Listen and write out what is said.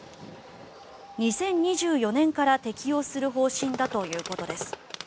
２０２４年から適用する方針だということです。